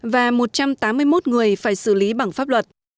và một trăm tám mươi một người phải xử lý bằng pháp luật